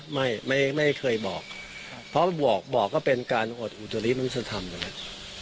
ไม่ไม่ไม่เคยบอกเพราะว่าบอกบอกก็เป็นการอดอุตริมนตรธรรมอย่างนั้น